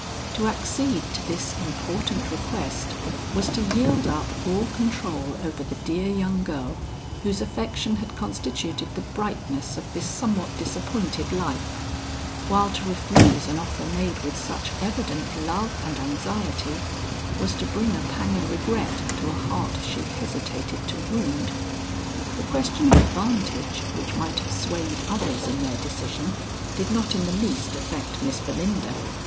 To accede to this important request was to yield up all control over the dear young girl whose affection had constituted the brightness of this somewhat disappointed life, while to refuse an offer made with such evident love and anxiety, was to bring a pang of regret to a heart she hesitated to wound. The question of advantage which might have swayed others in their decision, did not in the least affect Miss Belinda.